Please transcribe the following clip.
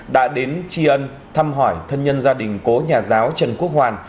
đã đến tri ân thăm hỏi thân nhân gia đình cố nhà giáo trần quốc hoàn